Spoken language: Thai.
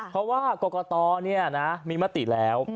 เพราะว่ากรกตมีมติแล้ว